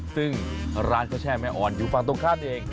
ซึ่งร้านกระแช่แม่อ่อนอยู่ฟางตรงข้างเอง